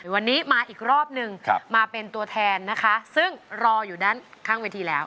วันนี้มาอีกรอบนึงมาเป็นตัวแทนนะคะซึ่งรออยู่ด้านข้างเวทีแล้ว